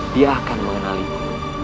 dia akan mengenaliku